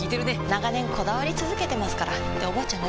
長年こだわり続けてますからっておばあちゃん